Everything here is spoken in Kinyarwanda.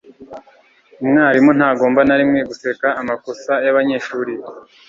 Umwarimu ntagomba na rimwe guseka amakosa yabanyeshuri be.